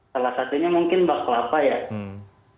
salah satunya mungkin baklava ya